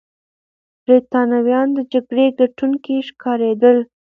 برتانويان د جګړې ګټونکي ښکارېدل.